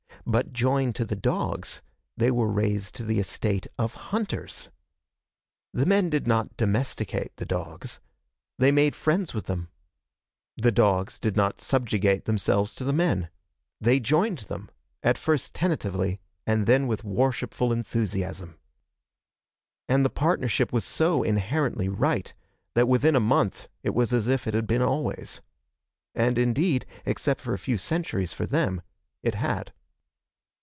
But, joined to the dogs, they were raised to the estate of hunters. The men did not domesticate the dogs. They made friends with them. The dogs did not subjugate themselves to the men. They joined them, at first tentatively and then with worshipful enthusiasm. And the partnership was so inherently right that within a month it was as if it had been always. And indeed, except for a few centuries, for them, it had.